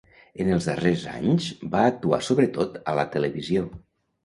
En els darrers anys va actuar sobretot per a la televisió.